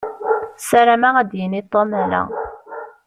Sarameɣ ad d-yini Tom ala.